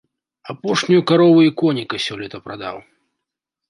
Апошнюю карову і коніка сёлета прадаў.